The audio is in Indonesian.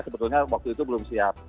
sebetulnya waktu itu belum siap